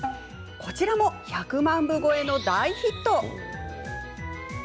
こちらも１００万部超えの大ヒット。